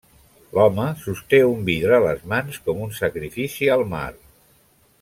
L'home sosté un vidre a les mans com un sacrifici al mar.